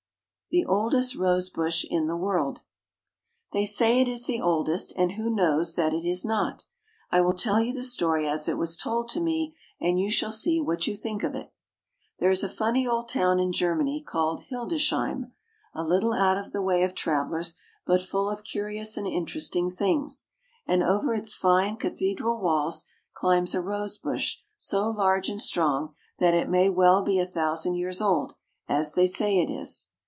THE OLDEST ROSE BUSH IN THE WORLD. They say it is the oldest, and who knows that it is not? I will tell you the story as it was told to me, and you shall see what you think of it. There is a funny old town in Germany called Hildesheim, a little out of the way of travellers, but full of curious and interesting things, and over its fine cathedral walls climbs a rose bush so large and strong that it may well be a thousand years old, as they say it is.